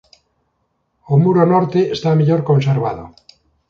O muro norte está mellor conservado.